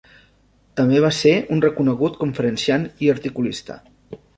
També va ser un reconegut conferenciant i articulista.